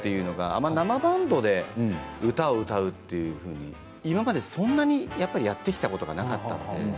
あまり生バンドで歌を歌うというのは今までそんなにやってきたことがなかったので。